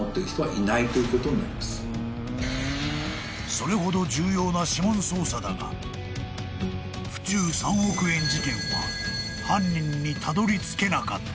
［それほど重要な指紋捜査だが府中３億円事件は犯人にたどり着けなかった］